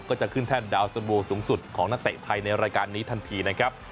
ก็จะขึ้นแท่นดาวสันโวสูงสุดของนักเตะไทยในรายการนี้ทันทีนะครับ